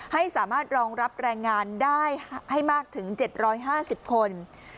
ให้สามารถรองรับแรงงานได้ให้มากถึง๗๕๐คน